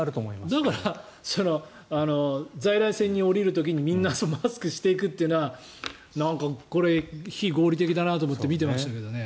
だから在来線に下りる時にみんなマスクしていくというのはなんかこれ、非合理的だなと思って見ていましたけどね。